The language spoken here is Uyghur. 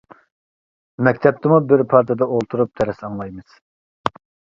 مەكتەپتىمۇ بىر پارتىدا ئولتۇرۇپ دەرس ئاڭلايمىز.